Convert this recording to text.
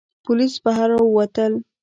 پوليس بهر را ووتل.